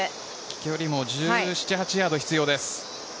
距離も１７１８ヤード必要です。